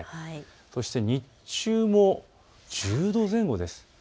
そして日中も１０度前後です。